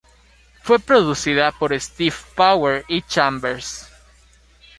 Fue producida por Steve Power y Chambers.